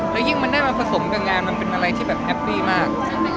แล้วยิ่งมันได้มาผสมกับงานมันเป็นอะไรที่แบบแฮปปี้มาก